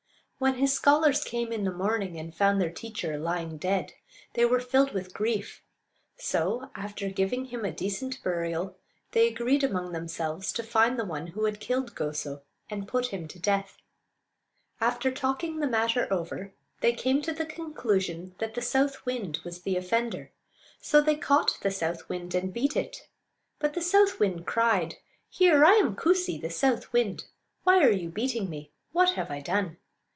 When his scholars came in the morning and found their teacher lying dead, they were filled with grief; so, after giving him a decent burial, they agreed among themselves to find the one who had killed Goso, and put him to death. After talking the matter over they came to the conclusion that the south wind was the offender. So they caught the south wind and beat it. But the south wind cried: "Here! I am Koo'see, the south wind. Why are you beating me? What have I done?"